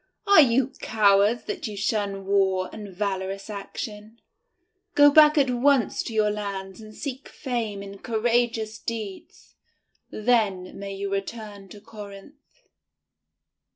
Are you cowards that you shun war and valorous action? Go back at once to your lands and seek fame in courageous deeds; then may you return to Corinth."